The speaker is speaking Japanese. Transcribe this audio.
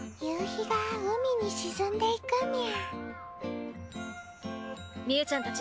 夕日が海に沈んでいくみゃ。